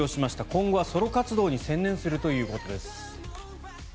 今後はソロ活動に専念するということです。